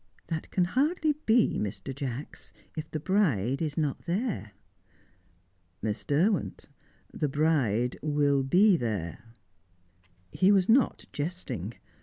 "That can hardly be, Mr. Jacks, if the bride is not there." "Miss Derwent, the bride will be there!" He was not jesting.